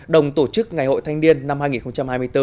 đồng tổ chức ngày hội thanh niên năm hai nghìn hai mươi bốn